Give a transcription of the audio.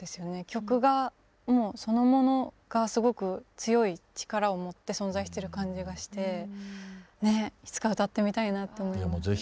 曲がもうそのものがすごく強い力を持って存在してる感じがしてねっいつか歌ってみたいなと思います。